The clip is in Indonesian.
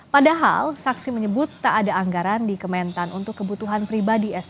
padahal saksi menyebut tak ada anggaran di kementan untuk kebutuhan pribadi